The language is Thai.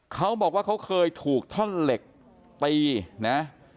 เขาบอกว่าเขาเคยถูกท่อนเหล็กตีนะ